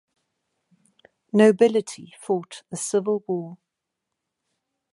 Nobility fought a civil war.